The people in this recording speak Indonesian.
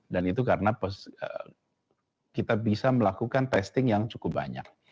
dan itu karena kita bisa melakukan testing yang cukup banyak